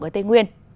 ở tây nguyên